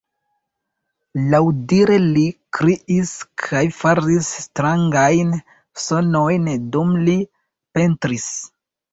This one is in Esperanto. Laŭdire li kriis kaj faris strangajn sonojn dum li pentris.